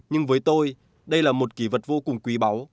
nhưng với tôi đây là một kỳ vật vô cùng quý báu